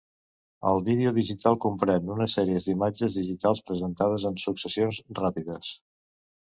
El vídeo digital comprèn unes sèries d'imatges digitals presentades en successions ràpides.